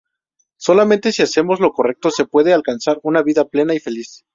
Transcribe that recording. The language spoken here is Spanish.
Solamente si hacemos lo correcto se puede alcanzar una vida plena y feliz.